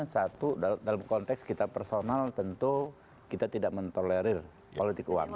satu dalam konteks kita personal tentu kita tidak mentolerir politik uang